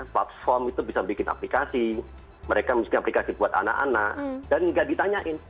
platform itu bisa bikin aplikasi mereka bikin aplikasi buat anak anak dan nggak ditanyain